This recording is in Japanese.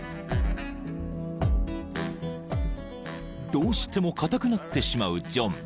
［どうしても硬くなってしまうジョン］